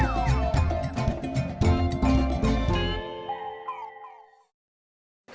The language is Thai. โปรดติดตามต่อไป